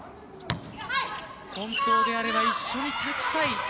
本当であれば一緒に立ちたい。